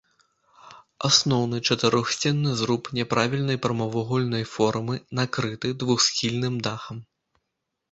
Асноўны чатырохсценны зруб няправільнай прамавугольнай формы накрыты двухсхільным дахам.